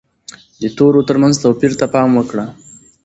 د تورو ترمنځ توپیر ته پام وکړه.